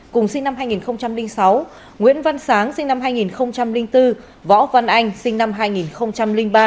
cùng sinh năm hai nghìn sáu nguyễn văn sáng sinh năm hai nghìn bốn võ văn anh sinh năm hai nghìn ba